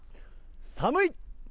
寒い。